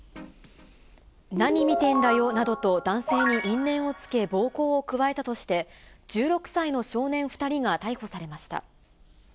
何見てんだよなどと男性に因縁をつけ、暴行を加えたとして、１６歳の少年２人が逮捕されました。